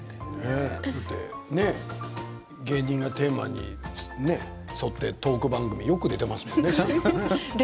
芸人がテーマに沿ってトーク番組によく出ていますよね。